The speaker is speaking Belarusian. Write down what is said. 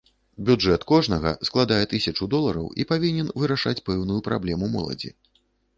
Бюджэт кожнага складае тысячу долараў і павінен вырашаць пэўную праблему моладзі.